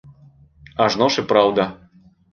Ажно ж і праўда.